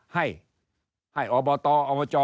ให้ให้อบตอบจ